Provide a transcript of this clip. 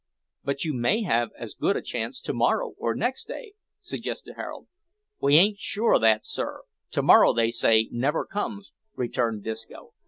"But you may have as good a chance to morrow, or next day," suggested Harold. "We ain't sure o' that sir. To morrow, they say, never comes," returned Disco.